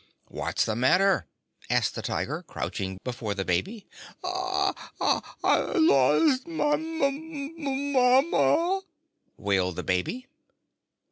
"What's the matter?" asked the Tiger, crouching before the baby. "I I I lost my m m mamma!" wailed the baby.